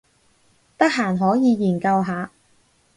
得閒可以研究下